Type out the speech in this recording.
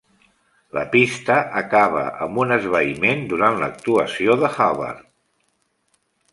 La pista acaba amb un esvaïment durant l'actuació de Hubbard.